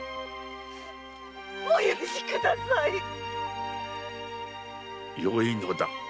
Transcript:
お許しください‼よいのだ。